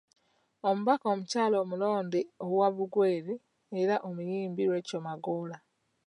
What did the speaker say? Omubaka omukyala omulonde owa Bugweri era omuyimbi Rachel Magoola.